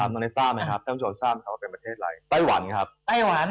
คุณต้องรู้ว่าใช้เป็นช่วงไหน